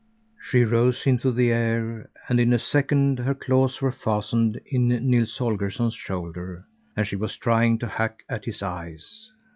She rose into the air, and in a second her claws were fastened in Nils Holgersson's shoulder and she was trying to hack at his eyes.